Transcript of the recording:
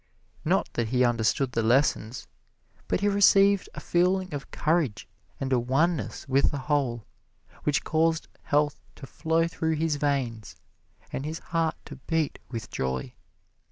Not that he understood the lessons, but he received a feeling of courage and a oneness with the whole which caused health to flow through his veins and his heart to beat with joy.